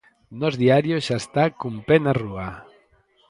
Nós Diario xa está cun pé na rúa.